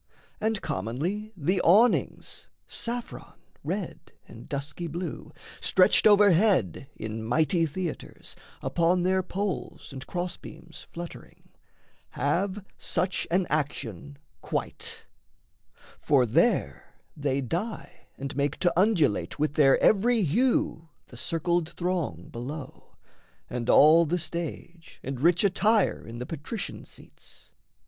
And commonly The awnings, saffron, red and dusky blue, Stretched overhead in mighty theatres, Upon their poles and cross beams fluttering, Have such an action quite; for there they dye And make to undulate with their every hue The circled throng below, and all the stage, And rich attire in the patrician seats.